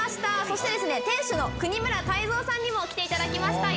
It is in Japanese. そして店主の国村泰三さんにも来ていただきました。